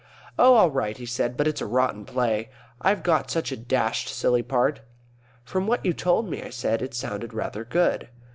"Oh, all right," he said. "But it's a rotten play. I've got such a dashed silly part." "From what you told me," I said, "it sounded rather good."